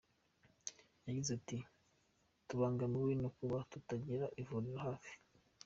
Yagize ati ”Tubangamiwe no kuba tutagira ivuriro hafi.